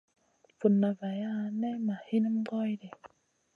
Vunna vaya nay ma hinim goy ɗi.